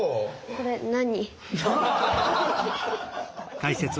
これ何？